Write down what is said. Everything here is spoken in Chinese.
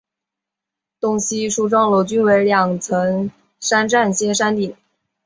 东西梳妆楼均为两层三檐歇山顶。